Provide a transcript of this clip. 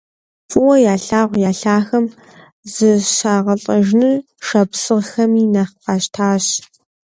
ФӀыуэ ялъагъу я лъахэм зыщагъэлӀэжыныр шапсыгъхэми нэхъ къащтащ.